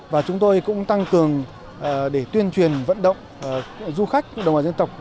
và chúng tôi cũng tăng cường để tuyên truyền vận động du khách đồng bào dân tộc